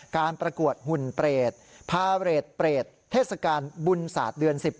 การประกวดหุ่นเปรตพาเรทเปรตเทศกาลบุญศาสตร์เดือน๑๐